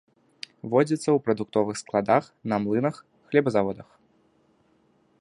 Водзіцца ў прадуктовых складах, на млынах, хлебазаводах.